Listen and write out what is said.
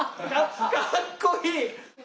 かっこいい！